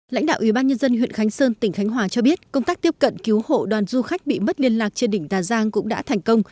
lãnh đạo ủy ban nhân dân huyện khánh sơn tỉnh khánh hòa cho biết công tác tiếp cận cứu hộ đoàn du khách bị mất liên lạc trên đỉnh tà giang cũng đã thành công